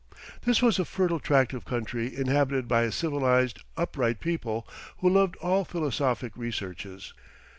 This was a fertile tract of country inhabited by a civilized, upright people, who loved all philosophic researches.